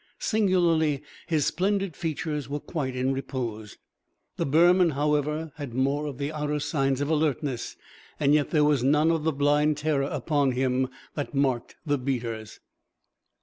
Singularly, his splendid features were quite in repose. The Burman, however, had more of the outer signs of alertness; and yet there was none of the blind terror upon him that marked the beaters.